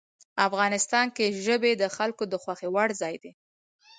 افغانستان کې ژبې د خلکو د خوښې وړ ځای دی.